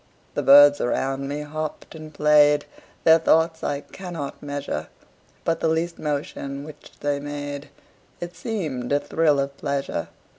The birds around me hopped and played, Their thoughts I cannot measure: But the least motion which they made It seemed a thrill of pleasure.